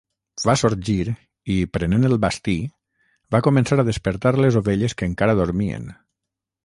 Va sorgir i, prenent el bastí, va començar a despertar les ovelles que encara dormien.